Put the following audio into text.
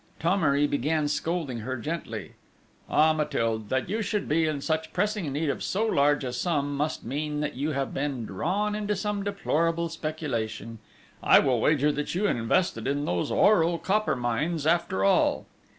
Thomery began scolding her gently: "Ah, Mathilde, that you should be in such pressing need of so large a sum must mean that you have been drawn into some deplorable speculation! I will wager that you invested in those Oural copper mines after all!"